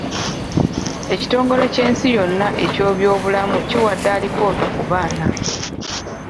Ekitongele ky'ensi yonna eky'ebyobulamu kiwadde alipoota ku baana.